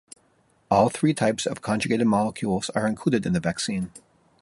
All three types of conjugated molecules are included in the vaccine.